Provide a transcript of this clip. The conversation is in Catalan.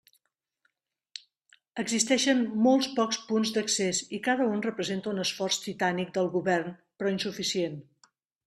Existeixen molt pocs punts d'accés i cada un representa un esforç titànic del govern però insuficient.